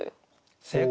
正解！